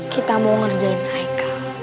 kita mau ngerjain haikal